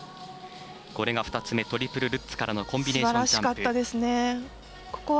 これが２つ目トリプルルッツからのコンビネーションジャンプ。